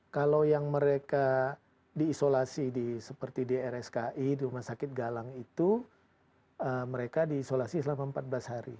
kalau yang mereka diisolasi seperti di rski di rumah sakit galang itu mereka diisolasi selama empat belas hari